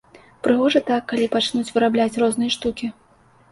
Прыгожа так, калі пачнуць вырабляць розныя штукі.